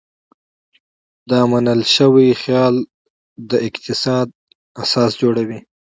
دا منل شوی خیال د اقتصاد اساس جوړوي.